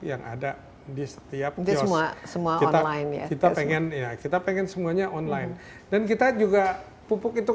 yang ada di setiap kita kita pengen ya kita pengen semuanya online dan kita juga pupuk itu